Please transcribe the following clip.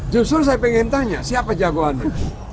justru saya ingin tanya siapa jagoannya